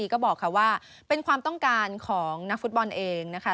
ก็บอกค่ะว่าเป็นความต้องการของนักฟุตบอลเองนะคะ